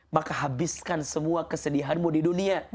maka habiskan semua kesedihanmu di dunia